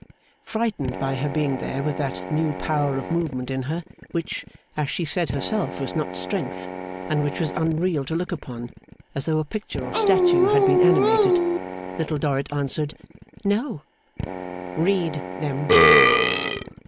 Frightened by her being there with that new power Of Movement in her, which, as she said herself, was not strength, and which was unreal to look upon, as though a picture or statue had been animated, Little Dorrit answered 'No.' 'Read them.